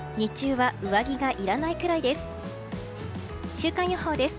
週間予報です。